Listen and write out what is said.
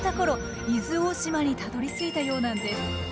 伊豆大島にたどりついたようなんです。